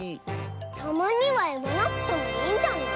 たまにはいわなくてもいいんじゃない？